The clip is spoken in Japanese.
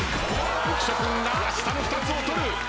浮所君が下の２つを取る。